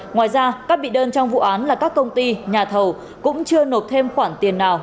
ngoài ra các bị đơn trong vụ án là các công ty nhà thầu cũng chưa nộp thêm khoản tiền nào